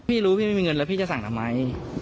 รู้พี่ไม่มีเงินแล้วพี่จะสั่งทำไม